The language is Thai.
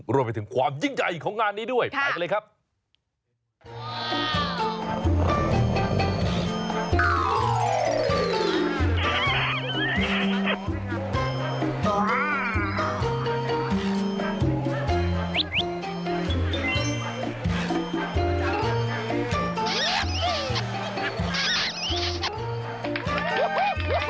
รวมไปถึงความยิ่งใหญ่ของงานนี้ด้วยไปกันเลยครับ